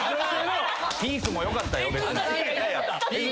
ピンクもよかったよ別に。